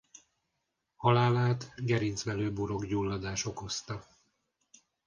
Halálát gerincvelőburok-gyulladás okozta.